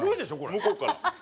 向こうから。